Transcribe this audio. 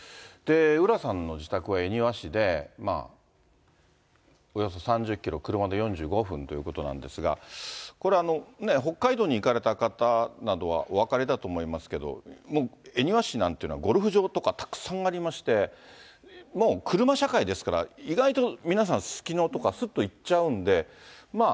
浦さんの自宅は恵庭市で、およそ３０キロ、車で４５分ということなんですが、これ、北海道に行かれた方などはお分かりだと思いますけど、恵庭市なんていうのは、ゴルフ場とかたくさんありまして、もう車社会ですから、意外と皆さん、すすきのとか、すっと行っちゃうんで、まあ、